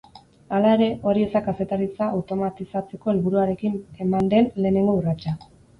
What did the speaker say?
Hala ere, hori ez da kazetaritza automatizatzeko helburuarekin eman den lehenengo urratsa.